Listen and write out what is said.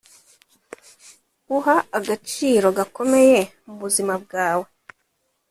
uha agaciro gakomeye mu buzima bwawe!